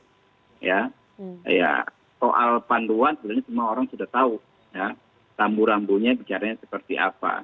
soal panduan sebenarnya semua orang sudah tahu tamburambunya bicaranya seperti apa